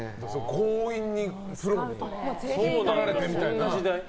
強引にプロのほうに引っ張られてみたいな。